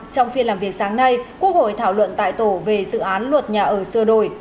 trong phiên làm việc sáng nay quốc hội thảo luận tại tổ về dự án luật nhà ở sơ đổi